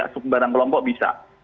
sebarang kelompok bisa